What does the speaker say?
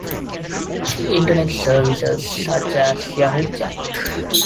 Internet services such as YahooChat!